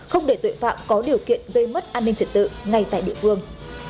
không để tội phạm có điều kiện gây mất an ninh trật tự ngay tại địa phương